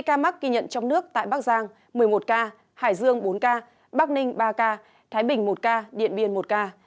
một mươi ca mắc ghi nhận trong nước tại bắc giang một mươi một ca hải dương bốn ca bắc ninh ba ca thái bình một ca điện biên một ca